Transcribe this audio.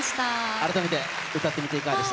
改めて歌ってみて、いかがでした？